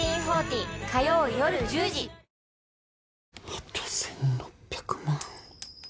あと１６００万